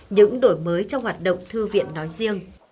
những đổi mới trong hoạt động thư viện nói riêng